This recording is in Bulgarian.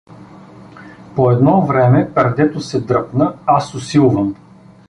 По едно време пердето се дръпна — аз усилвам.